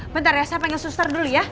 bentar ya saya pengen suster dulu ya